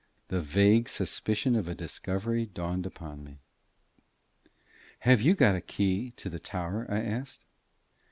The vague suspicion of a discovery dawned upon me. "Have you got the key of the tower?" I asked.